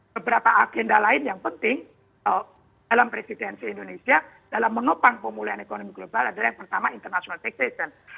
beberapa agenda lain yang penting dalam presidensi indonesia dalam menopang pemulihan ekonomi global adalah yang pertama international taxation